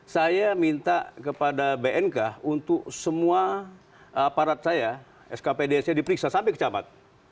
saya minta kepada bnk untuk semua aparat saya skpd saya diperiksa sampai kecamat